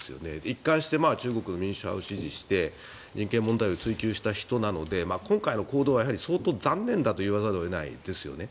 一貫して中国民主派を支持して人権問題を追及した人なので今回の行動は相当残念だと言わざるを得ないですね。